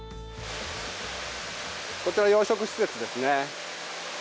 こちら、養殖施設ですね。